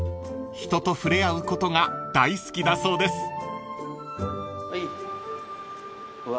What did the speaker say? ［人と触れ合うことが大好きだそうです］わ。